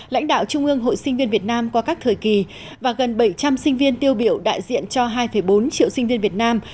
lãnh đạo trung ương hội sinh viên việt nam qua các thời kỳ và gần bảy trăm linh sinh viên tiêu biểu đại diện cho hai bốn triệu sinh viên việt nam